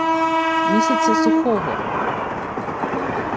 Місяця сухого